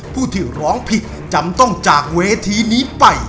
ผู้ที่ร้องผิดจำต้องจากเวทีนี้ไป